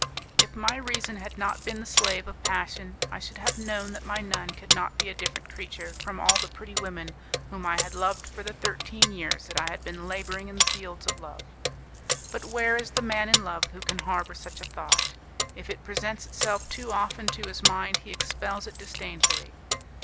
If my reason had not been the slave of passion, I should have known that my nun could not be a different creature from all the pretty women whom I had loved for the thirteen years that I had been labouring in the fields of love. But where is the man in love who can harbour such a thought? If it presents itself too often to his mind, he expels it disdainfully!